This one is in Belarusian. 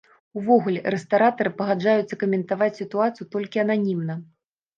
Увогуле, рэстаратары пагаджаюцца каментаваць сітуацыю толькі ананімна.